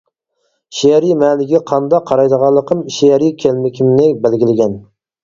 شېئىرىي مەنىگە قانداق قارايدىغانلىقىم شېئىرىي كىملىكىمنى بەلگىلىگەن.